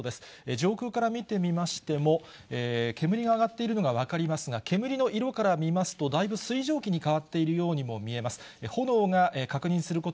上空から見てみましても、煙が上がっているのが分かりますが、煙の色から見ますと、だいぶ水蒸気に変わっているようにも見えます。